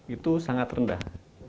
itu sangat rendah